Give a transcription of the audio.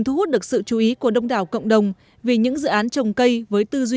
thu hút được sự chú ý của đông đảo cộng đồng vì những dự án trồng cây với tính năng năng lượng